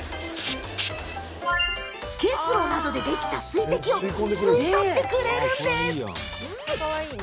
結露などでできた水滴を吸い取ってくれるんです。